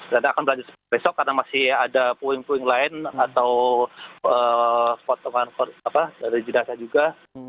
dan akan berlanjut besok karena masih ada puing puing lain atau spot teman teman dari judasa juga